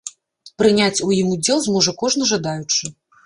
Прыняць у ім удзел зможа кожны жадаючы.